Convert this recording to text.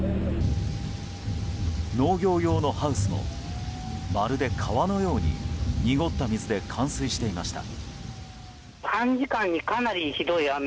農業用のハウスもまるで川のように濁った水で冠水していました。